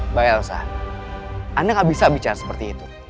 mbak elsa anda nggak bisa bicara seperti itu